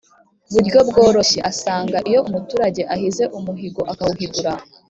buryo bworoshye. Asanga iyo umuturage ahize umuhigo akawuhigura